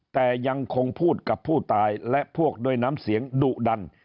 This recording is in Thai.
แต่ยังคงพูดกับผู้ตายและพวกด้วยน้ำเสียงดุดัน